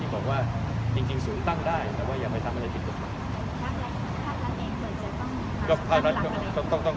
บอกว่าจริงสูงตั้งได้แต่ว่าอย่าไปทำอะไรผิดตัวของ